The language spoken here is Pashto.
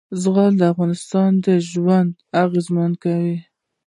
زغال د افغانانو ژوند اغېزمن کوي.